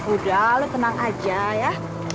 udah lu tenang aja ya